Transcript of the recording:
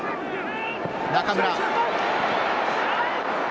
中村。